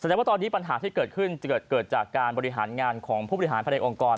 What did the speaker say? แสดงว่าตอนนี้ปัญหาที่เกิดขึ้นจะเกิดจากการบริหารงานของผู้บริหารภายในองค์กร